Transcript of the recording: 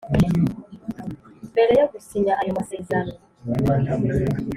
mbere yo gusinya ayo masezerano